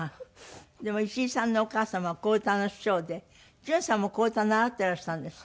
でも石井さんのお母様は小唄の師匠で順さんも小唄習ってらしたんですって？